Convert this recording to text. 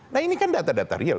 nah ini kan data data real